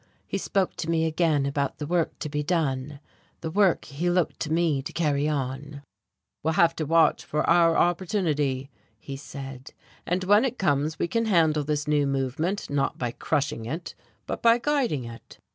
He spoke to me again about the work to be done, the work he looked to me to carry on. "We'll have to watch for our opportunity," he said, "and when it comes we can handle this new movement not by crushing it, but by guiding it.